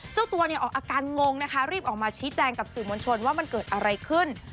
เจ้าตัวเนี่ยออกอาการงงนะคะรีบออกมาชี้แจงกับสื่อมวลชนว่ามันเกิดอะไรขึ้น